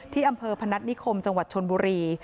ที่อำเภอภนนัสนิคมจชนบุรี